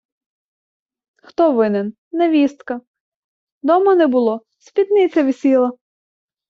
хто винен – невістка: дома не було – спідниця висіла